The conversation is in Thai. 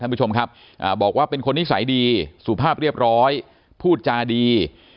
ผู้ชมครับบอกว่าเป็นคนนิสัยดีสุภาพเรียบร้อยพูดจาดี